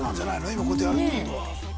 今こうやってやるって事は。